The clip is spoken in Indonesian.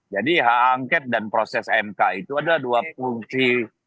jadi hak angket dan proses mk itu adalah dua fungsi